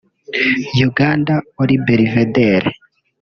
Uganda muri Belvedere